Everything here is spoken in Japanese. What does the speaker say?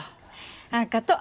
あっがとう。